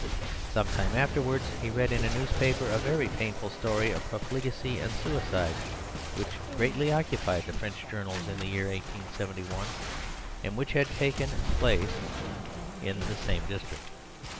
Some time afterwards he read in a newspaper a very painful story of profligacy and suicide which greatly occupied the French journals in the year 1871, and which had taken place in the same district.